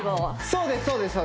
そうです